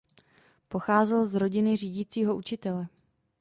Pocházel z rodiny řídícího učitele.